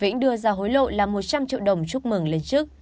vĩnh đưa ra hối lộ là một trăm linh triệu đồng chúc mừng lên chức